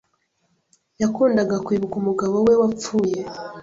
Yakundaga kwibuka umugabo we wapfuye.